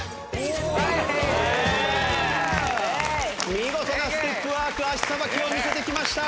見事なステップワーク足さばきを見せてきました。